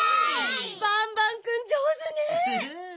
バンバンくんじょうずねえ。